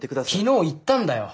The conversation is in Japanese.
昨日行ったんだよ。